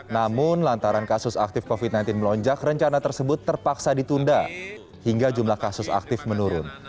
namun lantaran kasus aktif covid sembilan belas melonjak rencana tersebut terpaksa ditunda hingga jumlah kasus aktif menurun